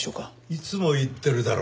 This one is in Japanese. いつも言ってるだろ。